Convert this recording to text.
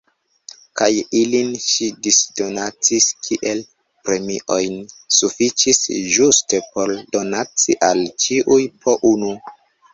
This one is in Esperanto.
Kaj ilin ŝi disdonacis kiel premiojn. Sufiĉis ĝuste por donaci al ĉiuj po unu.